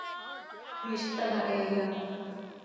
Miizj taa ma, he iyaamx.